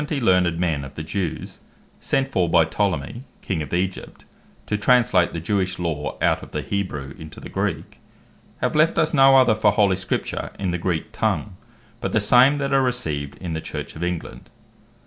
learned men of the Jews, sent for by Ptolemy King of Egypt, to translate the Jewish Law, out of the Hebrew into the Greek, have left us no other for holy Scripture in the Greek tongue, but the same that are received in the Church of England.